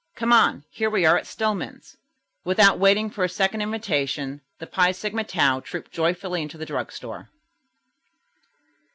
"Come on. Here we are at Stillman's." Without waiting for a second invitation, the Phi Sigma Tau trooped joyfully into the drug store.